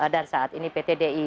saat ini pt di